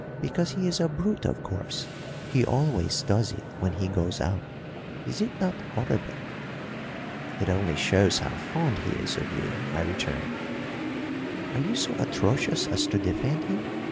Because he is a brute, of course. He always does it when he goes out. Is it not horrible?" "It only shows how fond he is of you," I returned. "Are you so atrocious as to defend him?